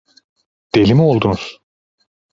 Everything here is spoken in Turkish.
Deli mi oldunuz!